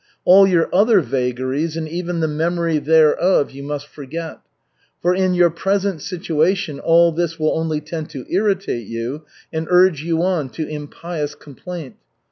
All your other vagaries and even the memory thereof you must forget, for in your present situation all this will only tend to irritate you and urge you on to impious complaint.